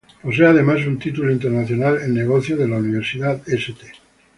Posee además un título internacional en Negocios de la "Universidad St.